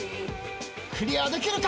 クリアできるか！？